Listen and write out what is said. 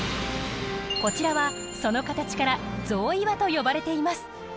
こちらはその形から象岩と呼ばれています。